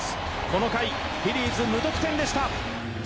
この回フィリーズ無得点でした。